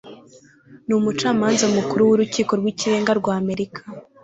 numucamanza mukuru wurukiko rwikirenga rwa Amerika.